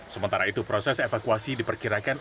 sementara itu proses evakuasi diperkirakan